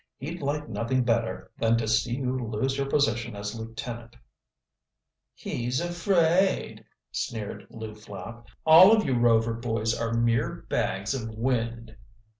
He'd like nothing better than to see you lose your position as lieutenant." "He's afraid," sneered Lew Flapp. "All of you Rover boys are mere bags of wind."